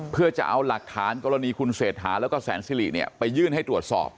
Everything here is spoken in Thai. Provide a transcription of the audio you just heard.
เพื่อจะเอาหลักฐานกรณีคุณเศรษฐาแล้วก็แสนสิริไปยื่นให้ตรวจสอบ